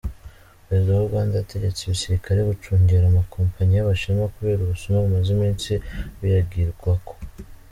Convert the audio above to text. Perezida wa Uganda yategetse igisirikare gucungera amakompanyi y'Abashinwa kubera ubusuma bumaze imisi buyagirwako.